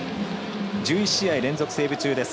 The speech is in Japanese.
１１試合連続セーブ中です。